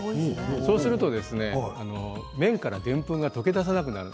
そうすると麺からでんぷんが溶け出さなくなります。